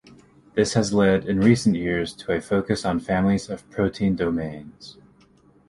This has led, in recent years, to a focus on families of protein domains.